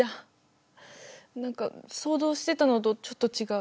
何か想像してたのとちょっと違う。